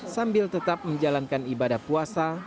sambil tetap menjalankan ibadah puasa